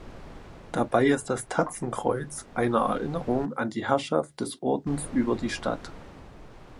Dabei ist das Tatzenkreuz eine Erinnerung an die Herrschaft des Ordens über die Stadt.